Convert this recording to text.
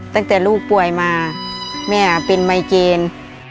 ตั้งแต่ลูกป่วยมาแม่เป็นไมเกณฑ์